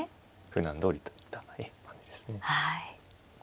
ふだんどおりといった感じですね。